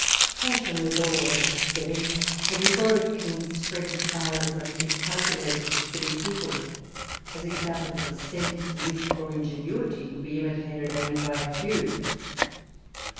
Fashion is always silly, for, before it can spread far, it must be calculated for silly people ; as examples of sense, wit, or ingenuity could be imitated only by a few.